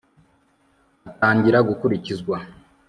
atangira gukurikizwa